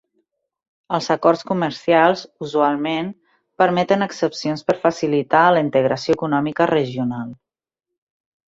Els acords comercials usualment permeten excepcions per facilitar la integració econòmica regional.